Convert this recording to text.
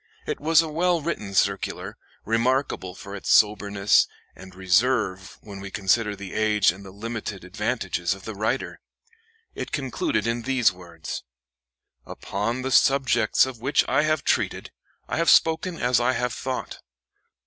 It was a well written circular, remarkable for its soberness and, reserve when we consider the age and the limited advantages of the writer. It concluded in these words: "Upon the subjects of which I have treated, I have spoken as I have thought.